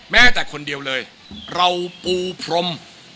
แม้แต่คนเดียวเลยเราปูพรม